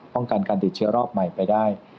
ป้องกันการติดเชื้อรอบใหม่ไปได้